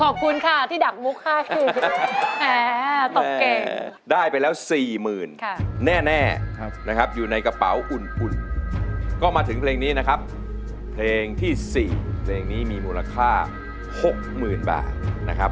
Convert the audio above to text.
ขอบคุณค่ะที่ดักมุกให้ตกแก่ได้ไปแล้ว๔๐๐๐แน่นะครับอยู่ในกระเป๋าอุ่นก็มาถึงเพลงนี้นะครับเพลงที่๔เพลงนี้มีมูลค่า๖๐๐๐บาทนะครับ